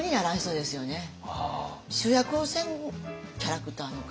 主役をせんキャラクターの方。